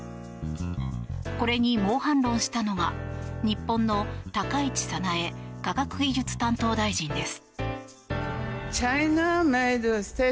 これに猛反論したのが、日本の高市早苗科学技術担当大臣です。